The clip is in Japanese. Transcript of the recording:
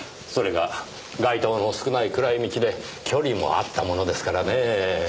それが街灯の少ない暗い道で距離もあったものですからねぇ。